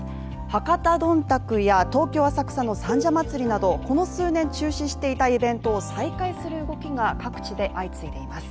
博多どんたくや東京・浅草の三社祭など、この数年中止していたイベントを再開する動きが各地で相次いでいます。